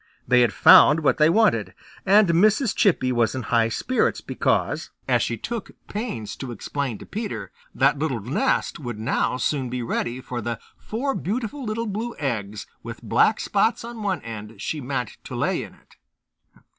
They had found what they wanted, and Mrs. Chippy was in high spirits because, as she took pains to explain to Peter, that little nest would not soon be ready for the four beautiful little blue eggs with black spots on one end she meant to lay in it.